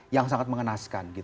yang sangat mengenaskan